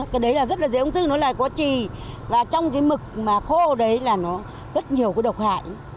cái đấy rất dễ ung thư nó lại có trì và trong cái mực khô đấy là rất nhiều độc hại